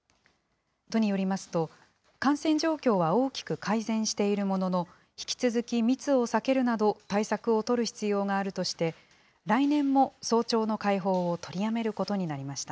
都によりますと、感染状況は大きく改善しているものの、引き続き密を避けるなど、対策を取る必要があるとして、来年も早朝の開放を取りやめることになりました。